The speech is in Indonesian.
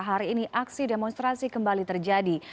hari ini aksi demonstrasi kembali terjadi